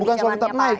bukan soal tetap naik